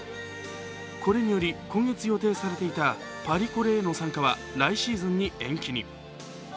これにより、今月予定されていたパリコレへの参加は来シーズンに延期に。